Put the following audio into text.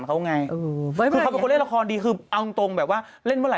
ไม่เป็นไรบอกเขาว่าไม่เล่นเดี๋ยวเอารถเมย์ไปเล่นแทนให้